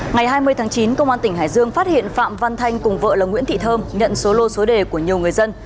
ngày hai mươi tháng chín công an tỉnh hải dương phát hiện phạm văn thanh cùng vợ là nguyễn thị thơm nhận số lô số đề của nhiều người dân